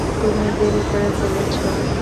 তুমি দেরী করে ফেলেছো।